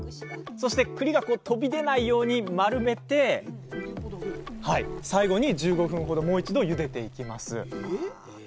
そしてくりがこう飛び出ないように丸めて最後に１５分ほどもう一度ゆでていきます。